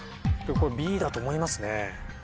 これＢだと思いますね。